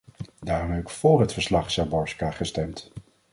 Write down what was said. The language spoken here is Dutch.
Daarom heb ik vóór het verslag-Záborská gestemd.